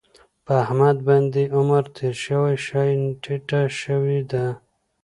په احمد باندې عمر تېر شوی شا یې ټیټه شوې ده.